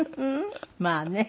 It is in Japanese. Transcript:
まあね。